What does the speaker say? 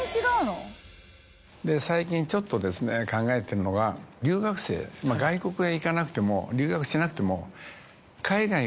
最近ちょっとですね考えてるのが留学生外国へ行かなくても。